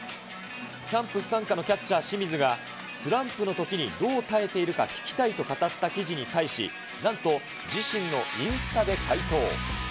キャンプ不参加のキャッチャー、清水がスランプのときにどう耐えているか聞きたいと語った記事に対し、なんと自身のインスタで回答。